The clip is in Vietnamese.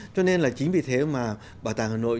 cho nên là chính vì thế mà bảo tàng hà nội